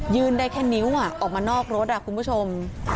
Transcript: ยืนได้แค่นิ้วอ่ะออกมานอกรถอ่ะคุณผู้ชม